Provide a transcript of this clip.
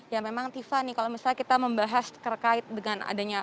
yang memang tifa nih kalau misalnya kita membahas terkait dengan adanya